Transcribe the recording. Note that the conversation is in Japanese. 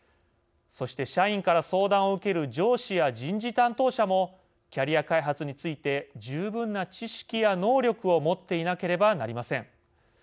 そして、社員から相談を受ける上司や人事担当者もキャリア開発について十分な知識や能力を持っていなければなりません。